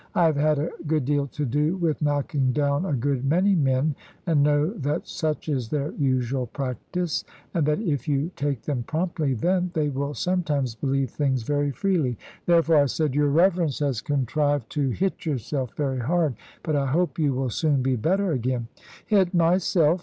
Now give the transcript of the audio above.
I have had a good deal to do with knocking down a good many men, and know that such is their usual practice; and that if you take them promptly then, they will sometimes believe things very freely. Therefore I said, "Your Reverence has contrived to hit yourself very hard, but I hope you will soon be better again." "Hit myself!